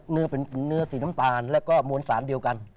เนื้อเป็นเนื้อสีน้ำตาลแล้วก็มวลสารเดียวกัน